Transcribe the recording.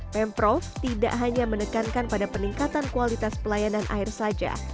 pemprov tidak hanya menekankan pada peningkatan kualitas pelayanan air saja